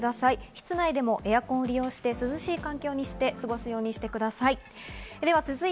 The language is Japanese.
室内でもエアコンを利用して涼しい環境にして過ごすようにしてください。